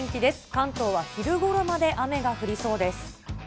関東は昼ごろまで雨が降りそうです。